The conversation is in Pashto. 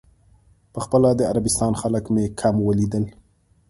په خپله د عربستان خلک مې کم ولیدل.